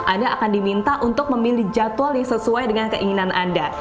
anda akan diminta untuk memilih jadwal yang sesuai dengan keinginan anda